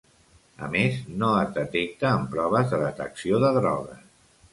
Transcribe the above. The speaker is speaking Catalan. A més, no es detecta en proves de detecció de drogues.